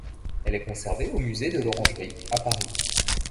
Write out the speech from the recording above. Elle est conservée au Musée de l'Orangerie à Paris.